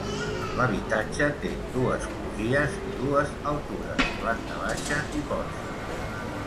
L’habitatge té dues crugies i dues altures: planta baixa i porxo.